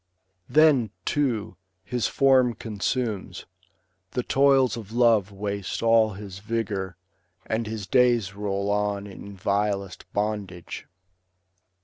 Then, too, his form consumes, the toils of love Waste all his vigour, and his days roll on In vilest bondage.